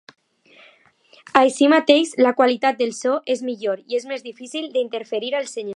Així mateix, la qualitat del so és millor i és més difícil d'interferir el senyal.